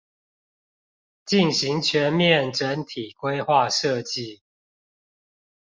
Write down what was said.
進行全面整體規劃設計